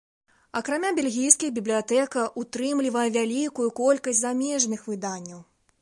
Акрамя бельгійскіх, бібліятэка ўтрымлівае вялікую колькасць замежных выданняў.